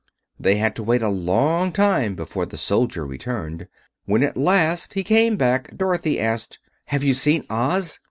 They had to wait a long time before the soldier returned. When, at last, he came back, Dorothy asked: "Have you seen Oz?"